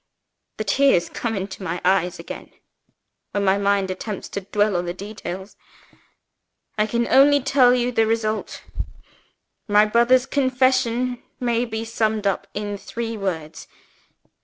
The tears come into my eyes again, when my mind attempts to dwell on the details. I can only tell you the result. My brother's confession may be summed up in three words.